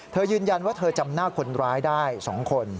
ยืนยันว่าเธอจำหน้าคนร้ายได้๒คน